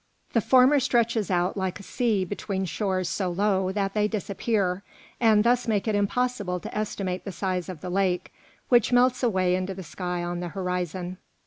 The former stretches out like a sea between shores so low that they disappear, and thus make it impossible to estimate the size of the lake, which melts away into the sky on the horizon.